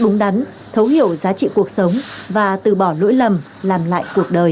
đúng đắn thấu hiểu giá trị cuộc sống và từ bỏ lỗi lầm làm lại cuộc đời